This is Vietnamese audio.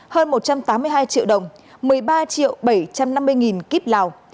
hơn một trăm tám mươi hai triệu đồng một mươi ba triệu bảy trăm năm mươi nghìn kíp lào